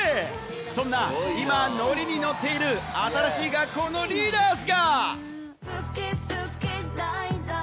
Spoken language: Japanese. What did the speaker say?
そんな今、ノリにノッている新しい学校のリーダーズが。